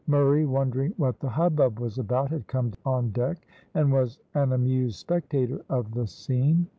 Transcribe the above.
Murray, wondering what the hubbub was about, had come on deck, and was an amused spectator of the scene.